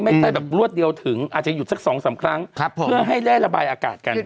ไม่ใช่แบบรวดเดียวถึงอาจจะหยุดสัก๒๓ครั้งเพื่อให้ได้ระบายอากาศกัน